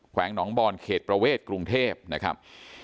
วงหนองบอนเขตประเวทกรุงเทพนะครับ